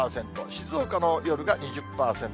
静岡の夜が２０％。